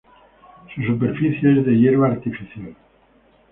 Su superficie es de hierba artificial.